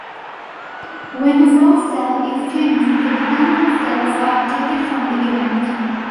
When the source cell is changed, the dependent cells are updated from the event.